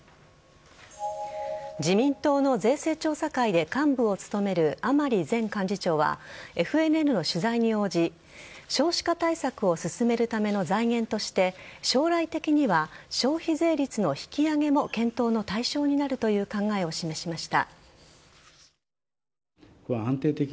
自民党の税制調査会で幹部を務める甘利前幹事長はＦＮＮの取材に応じ少子化対策を進めるための財源として将来的には消費税率の引き上げも検討の対象になるという考えを示しました。